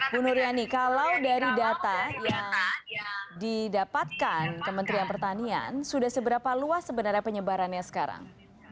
bu nur yani kalau dari data yang didapatkan kementerian pertanian sudah seberapa luas sebenarnya penyebarannya sekarang